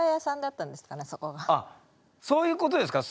あそういうことですか？